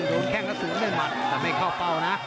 แข้งแล้วสวนด้วยหมัดแต่ไม่เข้าเป้านะ